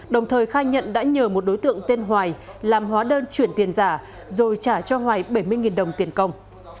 đồng thời khai nhận đã nhờ một đối tượng tên hoài làm hóa đơn chuyển tiền giả rồi trả cho hoài bảy mươi đồng tiền công